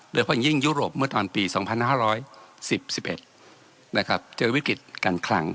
แล้วเพราะยังยุโรปเมื่อตอนปี๒๕๑๐๑๕๑๑นะครับเจอวิกฤตกันครัง